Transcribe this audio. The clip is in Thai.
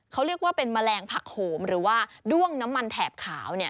เขาเรียกว่าเป็นแมลงผักโหมหรือว่าด้วงน้ำมันแถบขาว